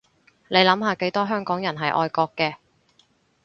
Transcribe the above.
你諗下幾多香港人係愛國嘅